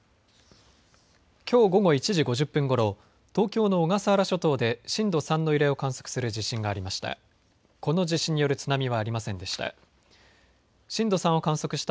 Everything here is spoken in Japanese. きょう午後１時５０分ごろ、東京の小笠原諸島で震度３の揺れを観測する地震がありました。